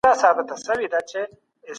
په بازار کي باید د درملو بیې لوړې نه وي.